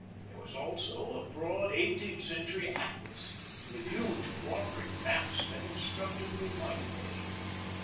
There was also a broad eighteenth century atlas with huge wandering maps that instructed me mightily.